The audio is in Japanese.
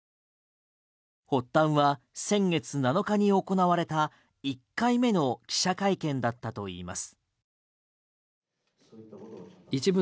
発端は先月７日に行われた１回目の記者会見だったといいます。